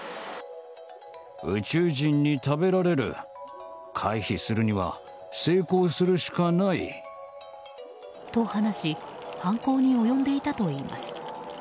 宇宙人に食べられる回避するには性交するしかない。と話し犯行に及んでいたといいます。